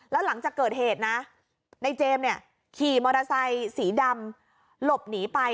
แล้วหลังจากเกิดเหตุนะในเจมส์เนี่ยขี่มอเตอร์ไซค์สีดำหลบหนีไป